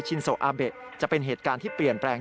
โซอาเบะจะเป็นเหตุการณ์ที่เปลี่ยนแปลง